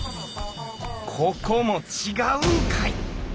ここも違うんかい！